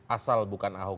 asal bukan ahok